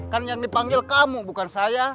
kan yang dipanggil kamu bukan saya